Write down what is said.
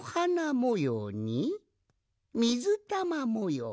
もようにみずたまもよう。